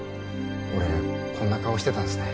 俺こんな顔してたんですね。